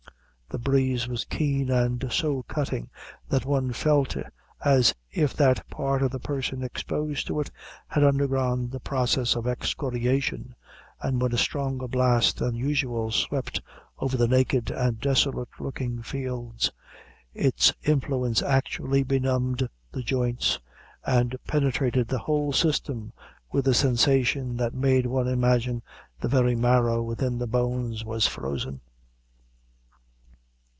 The breeze was keen and so cutting, that one felt as if that part of the person exposed to it had undergone the process of excoriation, and when a stronger blast than usual swept over the naked and desolate looking fields, its influence actually benumbed the joints, and penetrated the whole system with a sensation that made one imagine the very marrow within the bones was frozen.